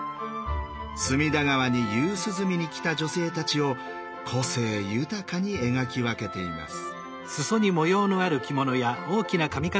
隅田川に夕涼みに来た女性たちを個性豊かに描き分けています。